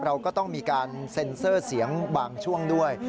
เราก็ต้องมีการเซ็นเซอร์เสียงบางช่วงด้วย